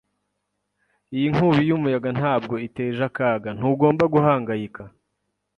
Iyi nkubi y'umuyaga ntabwo iteje akaga. Ntugomba guhangayika.